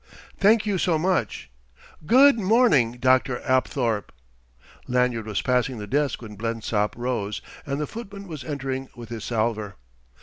"Thank you so much. Good morning, Dr. Apthorp." Lanyard was passing the desk when Blensop rose, and the footman was entering with his salver.